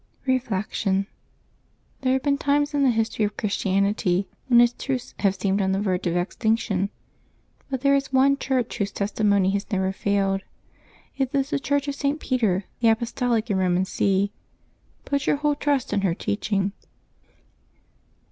Reflection. — There have been times in the history of Christianity when its truths have seemed on the verge of extinction. But there is one Church whose testimony has never failed: it is the Church of St. Peter, the Apostolic and Eoman See. Put your whole trust in her teaching!